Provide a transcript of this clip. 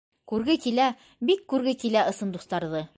Күрге килә, бик күрге килә ысын дуҫтарҙы.